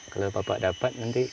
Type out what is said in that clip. kalau bapak dapat nanti